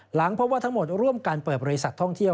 หลังพบว่าทั้งหมดร่วมกันเปิดบริษัทท่องเที่ยว